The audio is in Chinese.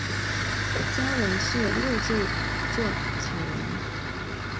家纹是六鸠酢草纹。